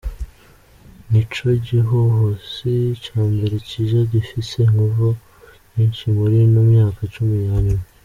Nico gihuhusi ca mbere kije gifise inguvu nyinshi murino myaka cumi ya nyuma.